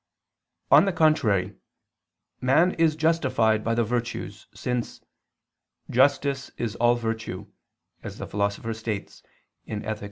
On the contrary, Man is justified by the virtues, since "justice is all virtue," as the Philosopher states (Ethic.